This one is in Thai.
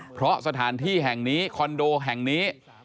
เพราะสถานที่แห่งนี้คอนโดแห่งนี้